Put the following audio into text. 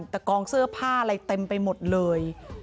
แต่กองเสื้อผ้าอะไรเต็มไปหมดเลย